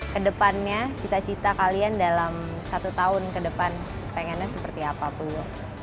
kedepannya cita cita kalian dalam satu tahun ke depan pengennya seperti apa puyo